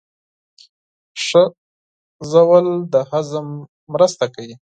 ښه ژوول د هضم مرسته کوي